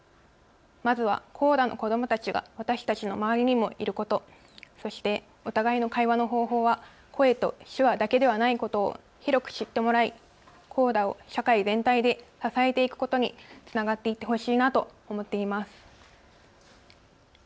まずはＣＯＤＡの子どもたちが私たちの周りにもいること、そしてお互いの会話の方法は声と手話だけではないことを広く知ってもらい、ＣＯＤＡを社会全体で支えていくことにつながっていってほしいなと思っています。